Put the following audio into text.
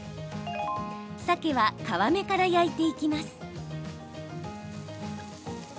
サケは皮目から焼いていきます。